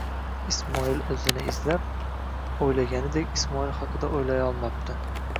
Ismoil o'zini izlab, o'ylaganidek Ismoil haqida o'ylayolmadi.